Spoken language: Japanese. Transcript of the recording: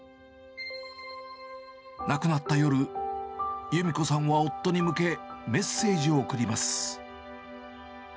亡くなった夜、ゆみ子さんは夫に向け、メッセージを送ります。